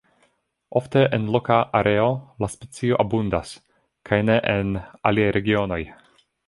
Ofte en loka areo la specio abundas, kaj ne en aliaj regionoj.